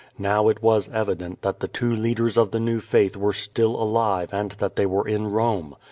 Now it was evident thailthe two leaders of the new faith were still alive and that they \fere in Rome.